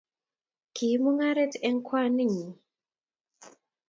kiip mungaret eng kwaan nenyi